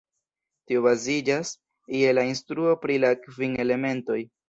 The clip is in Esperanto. Tio baziĝas je la instruo pri la kvin elementoj.